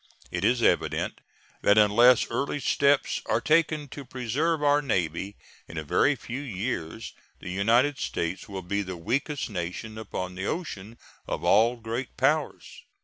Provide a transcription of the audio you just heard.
It is evident that unless early steps are taken to preserve our Navy in a very few years the United States will be the weakest nation upon the ocean, of all great powers.